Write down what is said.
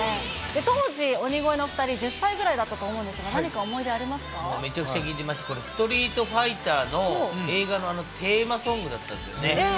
当時、鬼越の２人、１０歳ぐらいだったと思うんですが、何か思い出ありめちゃくちゃ聴いてました、これ、ストリートファイターの映画のテーマソングだったんですよね。